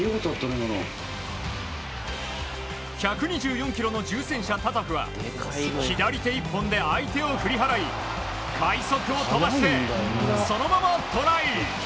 １２４キロの重戦車、タタフは左手１本で相手を振り払い快足を飛ばしてそのままトライ！